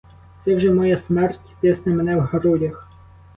Це вже моя смерть тисне мене в грудях.